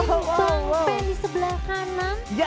tim bang pain di sebelah kanan